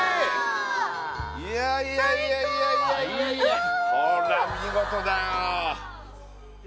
いやいやいやいやいやいやいやほら見事だよ